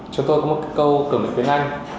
chúng tôi có một câu cửa miệng tiếng anh